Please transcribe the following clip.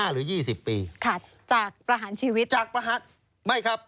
๑๕หรือ๒๐ปีจากประหารชีวิตไม่ครับ